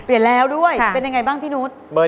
เปลี่ยนแล้วด้วยเป็นยังไงบ้างพี่นุษย์